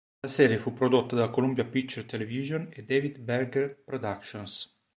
La serie fu prodotta da Columbia Pictures Television e David Gerber Productions.